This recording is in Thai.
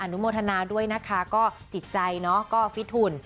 นุโมทนาด้วยนะคะก็จิตใจเนอะก็ฟิตหุ่น